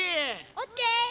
オッケー！